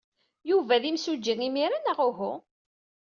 Yuba d imsujji imir-a, neɣ uhu?